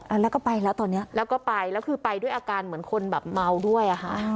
อ่าแล้วก็ไปแล้วตอนเนี้ยแล้วก็ไปแล้วคือไปด้วยอาการเหมือนคนแบบเมาด้วยอ่ะค่ะ